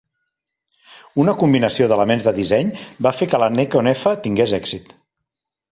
Una combinació d'elements de disseny va fer que la Nikon F tingués èxit.